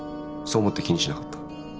そう思って気にしなかった。